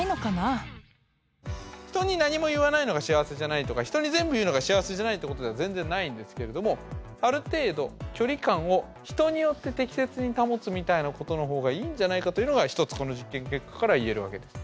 人に何も言わないのが幸せじゃないとか人に全部言うのが幸せじゃないってことでは全然ないんですけれどもある程度距離感を人によって適切に保つみたいなことの方がいいんじゃないかというのが一つこの実験結果から言えるわけです。